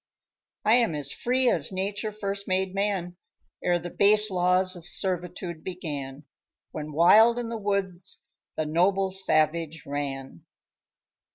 "I am as free as Nature first made man, Ere the base laws of servitude began, When wild in the woods the noble savage ran."